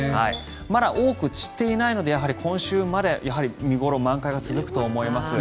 まだ多く散っていないので今週まで見頃、満開が続くと思います。